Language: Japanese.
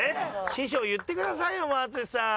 師匠言ってくださいよ淳さん。